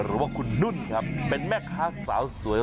หรือว่าคุณนุ่นครับเป็นแม่ค้าสาวสวย